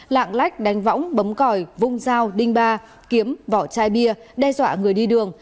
bách đánh võng bấm còi vung dao đinh ba kiếm vỏ chai bia đe dọa người đi đường